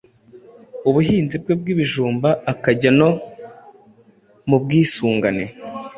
ubuhinzi bwe bw’ibijumba, akajya no mu bwisungane